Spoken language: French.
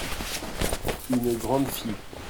une grande fille.